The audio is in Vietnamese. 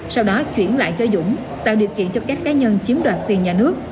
sau đó chuyển lại cho dũng tạo điều kiện cho các cá nhân chiếm đoạt tiền nhà nước